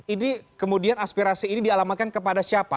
ini kemudian aspirasi ini dialamatkan kepada siapa